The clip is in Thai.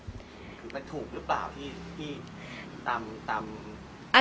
คือมันถูกหรือเปล่าที่ตามโบราณ